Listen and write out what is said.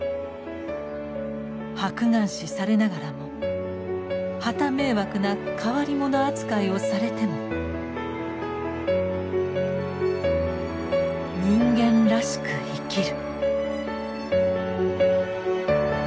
「白眼視されながらもはた迷惑な変り者扱いをされても人間らしく生きる」。